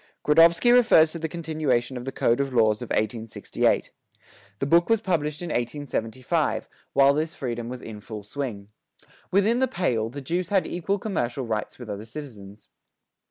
Gradovsky refers to the continuation of the "Code of Laws," of 1868. The book was published in 1875, while this freedom was in full swing. Within the "Pale," the Jews had equal commercial rights with other citizens.